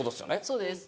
そうです。